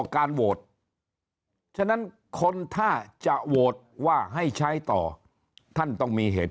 การโหวตฉะนั้นคนถ้าจะโหวตว่าให้ใช้ต่อท่านต้องมีเหตุ